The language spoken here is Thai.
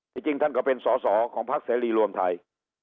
จริงจริงท่านก็เป็นของภาคเศรษฐ์รีรวมไทย